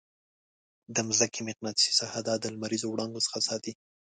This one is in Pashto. د مځکې مقناطیسي ساحه دا د لمریزو وړانګو څخه ساتي.